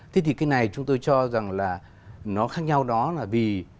thế thì cái này chúng tôi cho rằng là nó khác nhau đó là vì